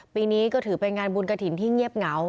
ปีนี้ก็ถือเป็นงานบุญกระถิ่นที่เงียบเหงา